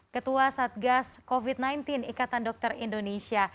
ketua satgas covid sembilan belas ikatan dokter indonesia